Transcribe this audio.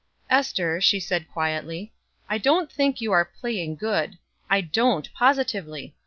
"Ester," she said quietly, "I don't think you are 'playing good;' I don't positively.